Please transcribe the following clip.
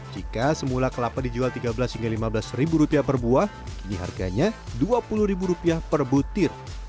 jika semula kelapa dijual tiga belas hingga lima belas ribu rupiah per buah kini harganya rp dua puluh per butir